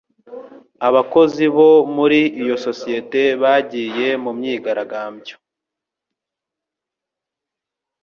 Abakozi bo muri iyo sosiyete bagiye mu myigaragambyo.